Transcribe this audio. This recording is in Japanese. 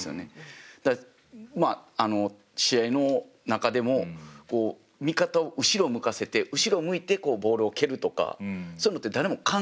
まああの試合の中でも味方を後ろを向かせて後ろを向いてボールを蹴るとかそういうのって誰も考えないんですよ。